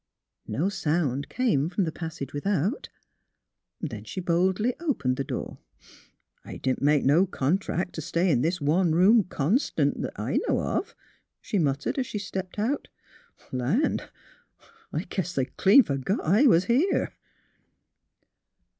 No sound came from the passage without. Then she boldly opened the door. *' I didn't make no contrac' t' stay in this one 192 THE HEAET OF PHILURA room constant, 't I know of," she muttered, as she stepped out. '* Land ! I guess they clean f ergot I was here."